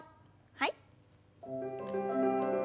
はい。